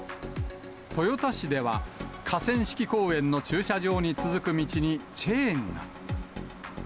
豊田市では、河川敷公園の駐車場に続く道にチェーンが。